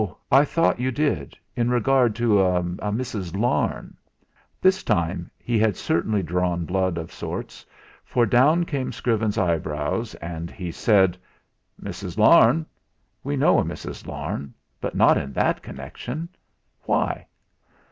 I thought you did, in regard to a Mrs. Larne." This time he had certainly drawn blood of sorts, for down came Scriven's eyebrows, and he said: "Mrs. Larne we know a Mrs. Larne, but not in that connection. Why?"